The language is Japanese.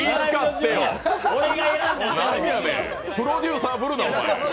プロデュースぶるな、お前。